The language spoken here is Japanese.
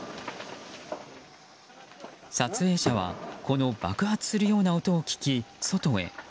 撮影者は爆発するような音を聞き、外へ。